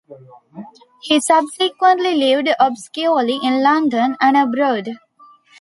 He subsequently lived obscurely in London and abroad.